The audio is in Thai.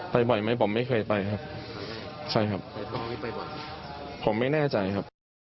ไปบ่อยไหมผมไม่เคยไปครับ